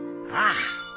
ああ。